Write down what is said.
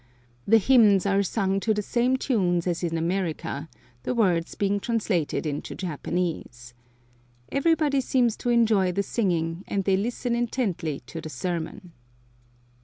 The hymns are sung to the same tunes as in America, the words being translated into Japanese. Everybody seems to enjoy the singing, and they listen intently to the sermon.